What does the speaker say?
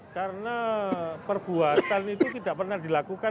karena perbuatan itu tidak pernah dilakukan